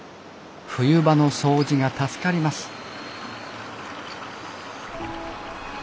冬場の掃除が助かります